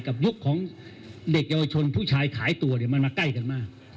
ยุคของเด็กเยาวชนผู้ชายขายตัวเนี่ยมันมาใกล้กันมาก